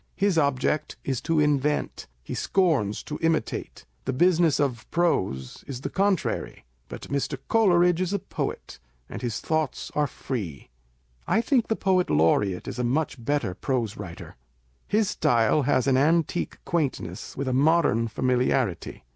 His object is to invent ; he scorns to imitate. The business of prose is the contrary. But Mr. Coleridge is a poet, and his thoughts are free. I think the poet laureate1 is a much better prose writer. His style has an antique quaintness, with a modern familiarity.